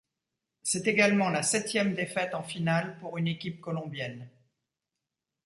C'est également la septième défaite en finale pour une équipe colombienne.